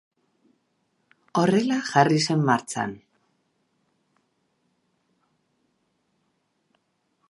Horrela jarri zen martxan.